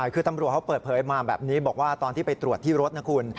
คือตำรวจเขาเปิดเผยมาแบบนี้บอกว่าตอนที่ไปตรวจที่รถนะคุณ